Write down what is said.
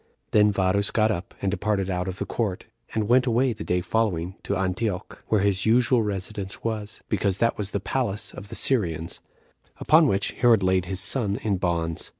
Then Varus got up, and departed out of the court, and went away the day following to Antioch, where his usual residence was, because that was the palace of the Syrians; upon which Herod laid his son in bonds.